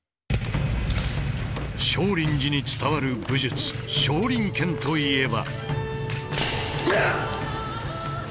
少林寺に伝わる武術少林拳といえば。